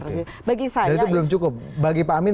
dan itu belum cukup bagi pak amin